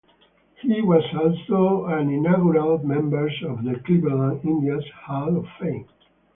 He was also an inaugural member of the Cleveland Indians Hall of Fame.